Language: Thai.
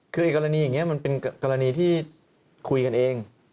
คือกรณีอย่างนี้มันเป็นกรณีที่คุยกันเอง